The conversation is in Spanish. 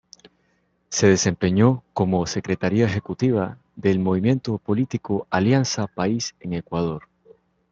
Se desempeñó como secretaria ejecutiva del movimiento político Alianza País en Ecuador.